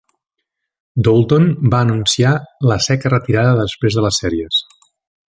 Daulton va anunciar la seca retirada després de les sèries.